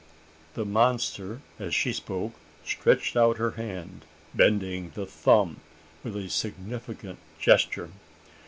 The monster, as she spoke, stretched out her hand, bending the thumb with a significant gesture.